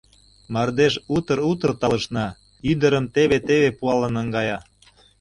Мардеж утыр-утыр талышна, ӱдырым теве-теве пуалын наҥгая.